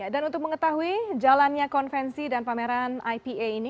dan untuk mengetahui jalannya konvensi dan pameran ipa ini